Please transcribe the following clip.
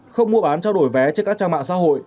không mua bán trao đổi vé trên các trang mạng xã hội